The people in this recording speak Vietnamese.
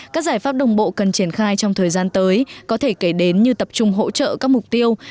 các giải pháp đồng bộ cần triển khai trong thời gian tới có thể kể đến như tập trung hỗ trợ các mục tiêu